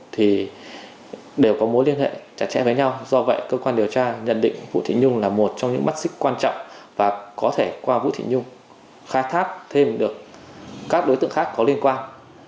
thì đều có mối liên hệ chặt chẽ với nhau do vậy cơ quan điều tra nhận định vũ thị nhung là một trong những mắt xích quan trọng và có thể qua vũ thị nhung khai thác thêm được các đối tượng khác có liên quan